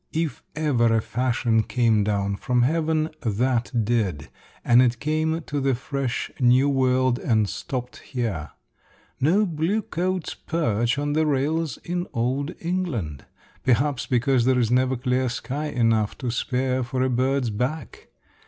If ever a fashion came down from heaven, that did; and it came to the fresh, new world and stopped here. No blue coats perch on the rails in old England; perhaps because there is never clear sky enough to spare for a bird's back.